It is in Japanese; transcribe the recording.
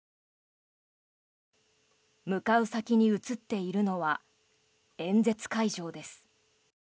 向かう先に映っているのは演説会場です。